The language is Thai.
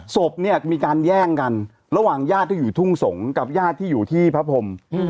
ศพเนี่ยมีการแย่งกันระหว่างญาติที่อยู่ทุ่งสงศ์กับญาติที่อยู่ที่พระพรม